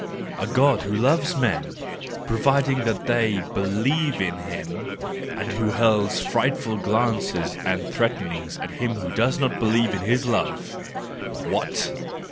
A God who loves men, provided that they believe in him, and who hurls frightful glances and threatenings at him who does not believe in this love! What